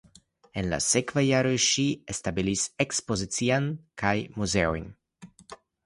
En la sekvaj jaroj ŝi establis ekspoziciojn kaj muzeojn.